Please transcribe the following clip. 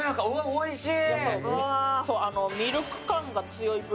おいしい！